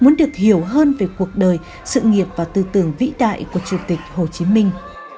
muốn được hiểu hơn về cuộc đời sự nghiệp và tư tưởng vĩ đại của chủ tịch hồ chí minh